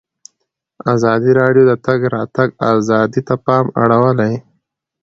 ازادي راډیو د د تګ راتګ ازادي ته پام اړولی.